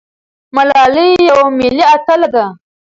ملالۍ یوه ملي اتله ده.